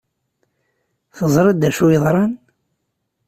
Teẓriḍ d acu i yeḍran?